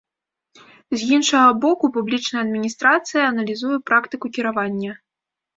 З іншага боку, публічная адміністрацыя аналізуе практыку кіравання.